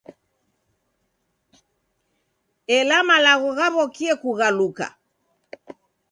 Ela malagho ghaw'okie kughaluka.